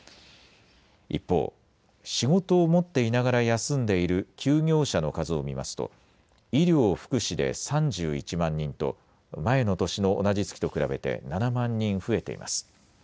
一方、仕事を持っていながら休んでいる休業者の数を見ますと医療・福祉で３１万人と前の年の同じ月と比べて７万人増えています。